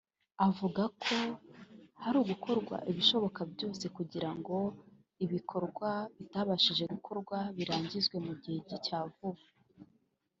avuga ko hari gukorwa ibishoboka byose kugira ngo ibikorwa bitabashije gukorwa birangizwe mu gihe cya vuba